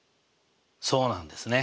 そうなんですね。